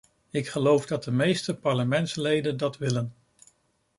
Ik geloof dat de meeste parlementsleden dat willen.